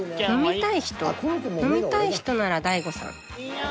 飲みたい人ならいやん。